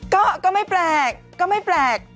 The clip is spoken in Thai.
ก็ไม่แปลกก็ไม่แปลก